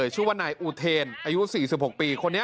ชื่อว่านายอูเทนอายุ๔๖ปี